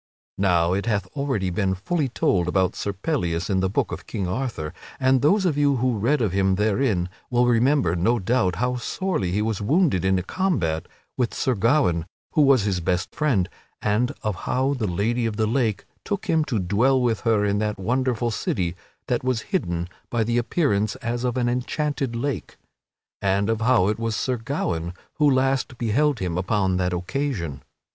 Now it hath already been very fully told about Sir Pellias in the Book of King Arthur, and those of you who read of him therein will remember, no doubt, how sorely he was wounded in a combat with Sir Gawaine, who was his best friend, and of how the Lady of the Lake took him to dwell with her in that wonderful city that was hidden by the appearance as of an enchanted lake, and of how it was Sir Gawaine who last beheld him upon that occasion.